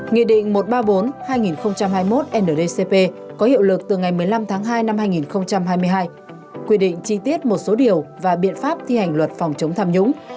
nghị định một trăm ba mươi bốn hai nghìn hai mươi một ndcp có hiệu lực từ ngày một mươi năm tháng hai năm hai nghìn hai mươi hai quy định chi tiết một số điều và biện pháp thi hành luật phòng chống tham nhũng